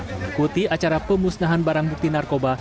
mengikuti acara pemusnahan barang bukti narkoba